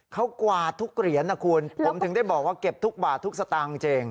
เขากวาดทุกเหรียญนะคุณผมถึงได้บอกว่าเก็บทุกบาททุกสตางค์จริง